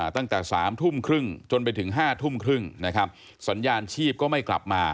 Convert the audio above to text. ตั้งแต่๓ทุ่มครึ่งจนไปถึง๕ทุ่มครึ่งนะครับสัญญาณชีพก็ไม่กลับมา